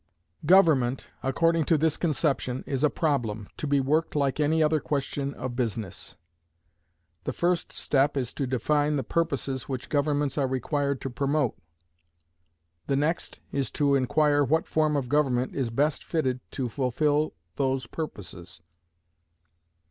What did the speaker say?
Government, according to this conception, is a problem, to be worked like any other question of business. The first step is to define the purposes which governments are required to promote. The next, is to inquire what form of government is best fitted to fulfill those purposes.